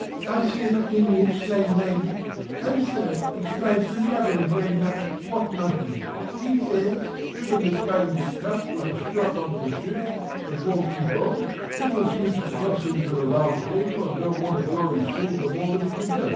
I says deeming it slang language "O sir explain for a loving grandmother what Monkey!" He says "Him in the spangled cap with the strap under the chin, as won't keep on him as sweeps the crossings on a round table and don't want to draw his sabre more than he can help."